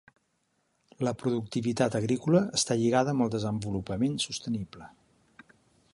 La productivitat agrícola està lligada amb el desenvolupament sostenible.